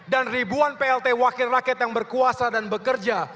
dan ribuan plt wakil rakyat yang berkuasa dan bekerja